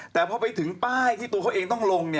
แต่พอไปถึงป้ายที่ตัวเขาเองต้องลง